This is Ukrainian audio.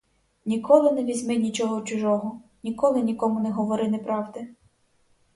Ніколи не візьми нічого чужого, ніколи нікому не говори неправди.